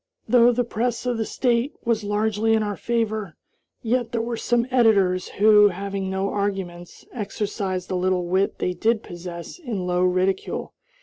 Though the press of the State was largely in our favor, yet there were some editors who, having no arguments, exercised the little wit they did possess in low ridicule.